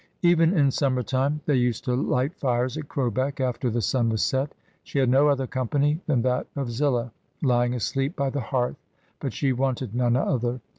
Even in summer time they used to light fires at Crowbeck after the sun was set She had no other company than that of Zillah lying asleep by the hearth, but she wanted none other.